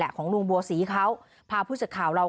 แหละของลุงบัวสีเขาพาผู้สัดข่าวเรา